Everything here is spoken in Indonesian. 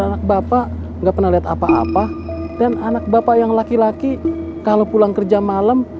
anak bapak nggak pernah lihat apa apa dan anak bapak yang laki laki kalau pulang kerja malam